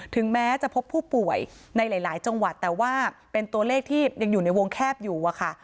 ถึงแม้จะพบผู้ป่วยในหลายจังหวัดแต่ว่าเป็นตัวเลขที่ยังอยู่ในวงแคบอยู่อะค่ะ